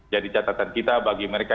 jadi catatan kita bagi mereka